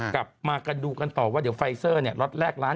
กลับมากันดูกันต่อว่าเดี๋ยวไฟเซอร์เนี่ย